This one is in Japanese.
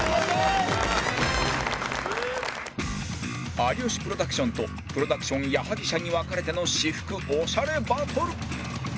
有吉プロダクションとプロダクション矢作舎に分かれての私服オシャレバトル